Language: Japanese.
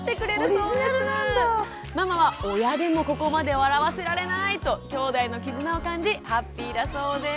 ママは「親でもここまで笑わせられない」ときょうだいの絆を感じハッピーだそうです。